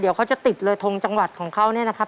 เดี๋ยวเขาจะติดเลยทงจังหวัดของเขาเนี่ยนะครับ